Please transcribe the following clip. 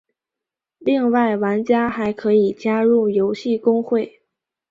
另外玩家还可以加入游戏公会。